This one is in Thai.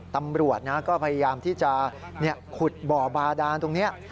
ตำรวจก็พยายามที่จะขุดบ่อบาดานตรงนี้